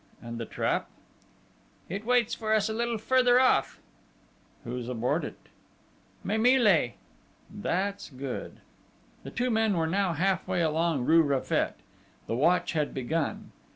And the trap?" "It waits for us a little further off." "Who's aboard it?" "Mimile." "That's good." The two men were now half way along rue Raffet. The watch had begun.